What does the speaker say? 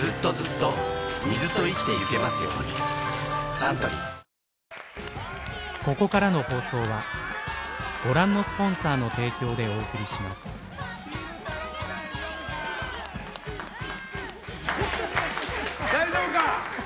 サントリー大丈夫か！